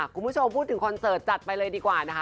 คุณผู้โชว์พูดถึงคอนเสิร์ทจัดเลยดีกว่านะครับ